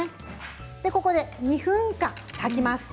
ここで２分間炊きます。